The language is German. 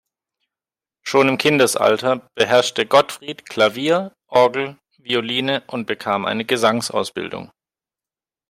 Schon im Kindesalter beherrschte Gottfried Klavier, Orgel, Violine und bekam eine Gesangsausbildung.